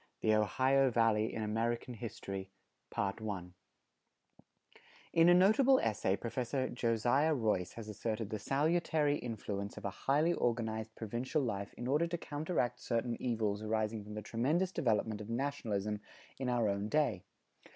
_ V THE OHIO VALLEY IN AMERICAN HISTORY[157:1] In a notable essay Professor Josiah Royce has asserted the salutary influence of a highly organized provincial life in order to counteract certain evils arising from the tremendous development of nationalism in our own day.